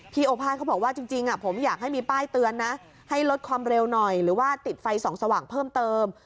โอภาษเขาบอกว่าจริงผมอยากให้มีป้ายเตือนนะให้ลดความเร็วหน่อยหรือว่าติดไฟส่องสว่างเพิ่มเติม